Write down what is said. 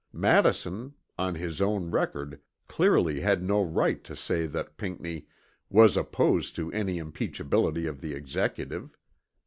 Madison on his own record clearly had no right to say that Pinckney "was opposed to any impeachability of the Executive."